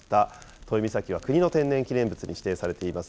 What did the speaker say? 都井岬は国の天然記念物に指定されています